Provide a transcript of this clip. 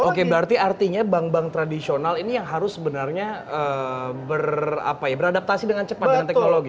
oke berarti artinya bank bank tradisional ini yang harus sebenarnya beradaptasi dengan cepat dengan teknologi